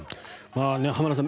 浜田さん